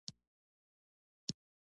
وخت، لومړيتوبونه او ذهني ستړيا